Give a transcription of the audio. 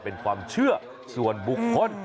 เป็นความเชื่อส่วนบุคคล